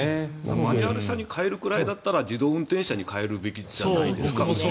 マニュアル車に変えるくらいだったら自動運転車に変えるべきじゃないですか。